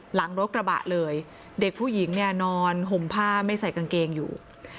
หลังรถกระบะเลยเด็กผู้หญิงเนี่ยนอนห่มผ้าไม่ใส่กางเกงอยู่